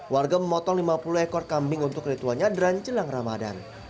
warga memotong lima puluh ekor kambing untuk ritual nyadran jelang ramadan